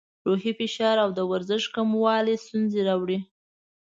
روحي فشار او د ورزش کموالی ستونزې راوړي.